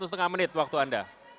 oke kita lanjutkan ya